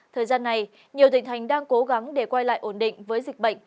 thời gian này nhiều tỉnh thành đang cố gắng để quay lại ổn định với dịch bệnh